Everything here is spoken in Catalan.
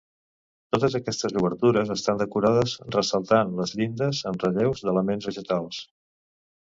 Totes aquestes obertures estan decorades ressaltant les llindes amb relleus d'elements vegetals.